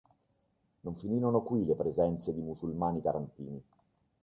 Non finirono qui le presenze di musulmani tarantini.